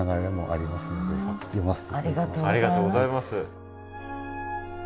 ありがとうございます。